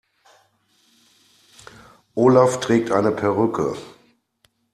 Olaf trägt eine Perücke.